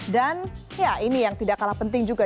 dan ya ini yang tidak kalah penting juga